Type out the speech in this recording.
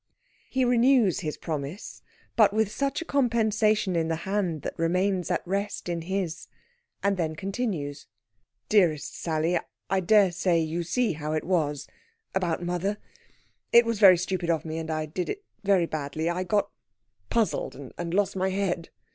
He renews his promise but with such a compensation in the hand that remains at rest in his! and then continues: "Dearest Sally, I dare say you see how it was about mother. It was very stupid of me, and I did it very badly. I got puzzled, and lost my head."